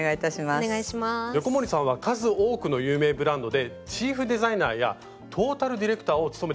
横森さんは数多くの有名ブランドでチーフデザイナーやトータルディレクターを務めてこられたんですよね。